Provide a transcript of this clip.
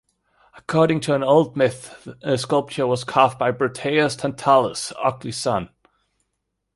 According to an old myth the sculpture was carved by Broteas, Tantalus' ugly son.